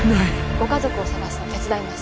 ご家族を捜すの手伝います。